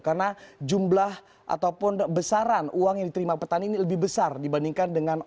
karena jumlah ataupun besaran uang yang diterima pertani ini lebih besar dibandingkan dengan